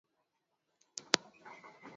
wanajeshi wa Tanzania wakitumia roketi dhidi ya